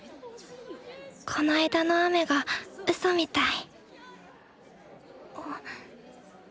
この間の雨がウソみたい。